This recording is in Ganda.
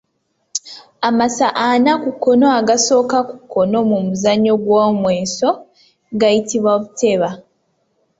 Amasa ana ku kkono agasooka ku kkono mu muzannyo gw’omweso gayitibwa buteba.